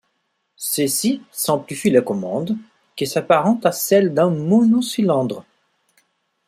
Ceci simplifie la commande qui s'apparente à celle d'un monocylindre.